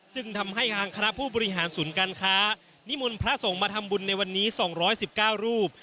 จึงทำให้ทางคณะผู้บริหารศูนย์การค้านิมนต์พระสงฆ์มาทำบุญในวันนี้๒๑๙รูป